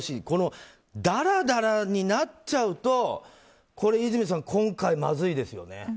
これが、だらだらになっちゃうと和泉さん、今回まずいですよね。